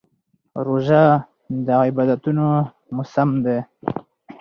روژه د عبادتونو موسم دی.